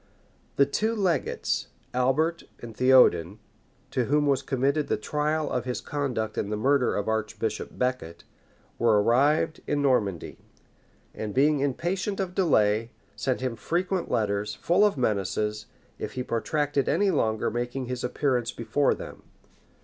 The two legates, Albert and Theodin, to whom was committed the trial of his conduct in the murder of Archbishop Becket, were arrived in Normandy; and being impatient of delay, sent him frequent letters, full of menaces, if he protracted any longer making his appearance before them.